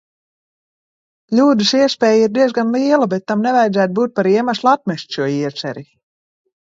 Kļūdas iespēja ir diezgan liela, bet tam nevajadzētu būt par iemeslu atmest šo ieceri.